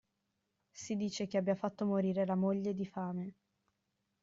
Si dice che abbia fatto morire la moglie di fame.